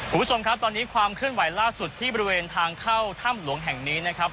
คุณผู้ชมครับตอนนี้ความเคลื่อนไหวล่าสุดที่บริเวณทางเข้าถ้ำหลวงแห่งนี้นะครับ